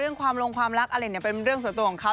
เรื่องความลงความรักอะไรนี่เป็นเรื่องสัตว์ตัวของเขา